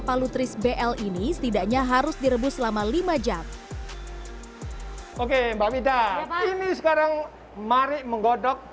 palutris bl ini setidaknya harus direbus selama lima jam oke mbak mida ini sekarang mari menggodok